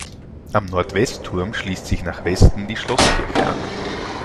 Am Nordwestturm schließt sich nach Westen die Schlosskirche an.